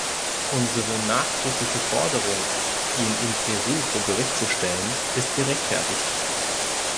Unsere nachdrückliche Forderung, ihn in Peru vor Gericht zu stellen, ist gerechtfertigt.